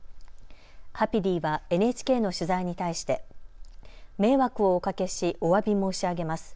ハピリィはＮＨＫの取材に対して、迷惑をおかけしおわび申し上げます。